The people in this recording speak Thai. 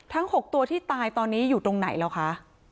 ๖ตัวที่ตายตอนนี้อยู่ตรงไหนแล้วคะ